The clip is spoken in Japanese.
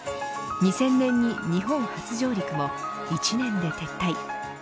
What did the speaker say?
２０００年に日本初上陸も１年で撤退。